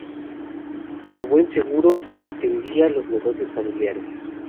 A buen seguro, atendía los negocios familiares.